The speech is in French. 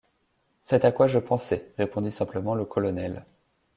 C’est à quoi je pensais, » répondit simplement le colonel.